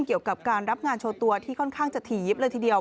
เกี่ยวกับการรับงานโชว์ตัวที่ค่อนข้างจะถี่ยิบเลยทีเดียว